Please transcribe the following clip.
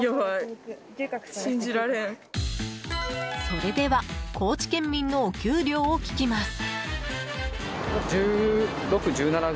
それでは、高知県民のお給料を聞きます。